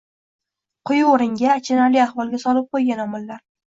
quyi o‘ringa – achinarli ahvolga solib qo‘ygan omillar